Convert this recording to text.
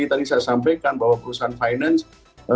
tadi saya sampaikan bahwa perusahaan finance